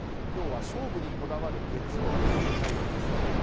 今日は、勝負にこだわる月曜日というタイトルです。